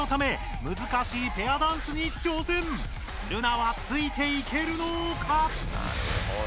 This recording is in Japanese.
ルナはついていけるのか？